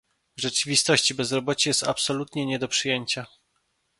W rzeczywistości bezrobocie jest absolutnie nie do przyjęcia